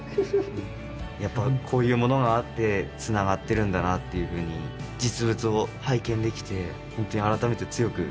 やっぱこういうものがあってつながってるんだなっていうふうに実物を拝見できてほんとに改めて強く実感しました。